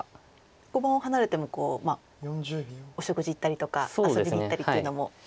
碁盤を離れてもお食事行ったりとか遊びに行ったりっていうのも。